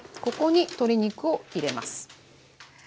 ここに鶏肉を入れます。